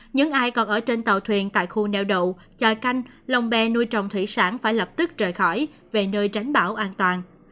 nhưng ai còn ở trên tàu thuyền tại khu nèo đậu chòi canh lồng bè nuôi trồng thủy sản phải lập tức rời khỏi về nơi tránh bão an toàn